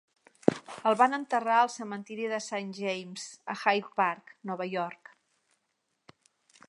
El van enterrar al cementiri de Saint James, a Hyde Park, Nova York.